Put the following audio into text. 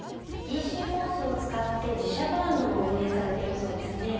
「ｅｃｆｏｒｃｅ」を使って自社ブランドも運営されているそうですね。